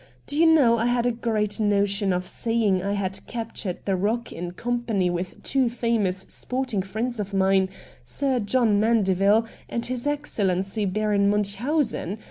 Do you know I had a great notion of saying I liad captured the Roc in company with two famous sporting friends of mine. Sir John Mandeville and his Excellency Baron Munchausen